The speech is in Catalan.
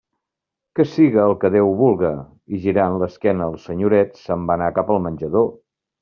«Que siga el que Déu vulga»; i girant l'esquena al senyoret, se'n va anar cap al menjador.